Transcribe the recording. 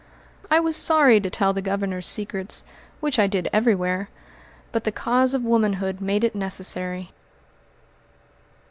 I was sorry to tell the Governor's secrets, which I did everywhere, but the cause of womanhood made it necessary.